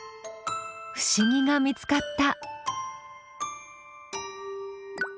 不思議が見つかった。